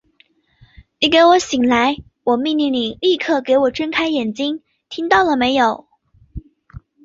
你给我醒来！我命令你立刻给我睁开眼睛，听到了没有！